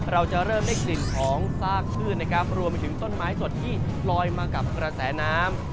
เราจะเริ่มได้กลิ่นของซากชื่นนะครับรวมไปถึงต้นไม้สดที่ลอยมากับกระแสน้ำ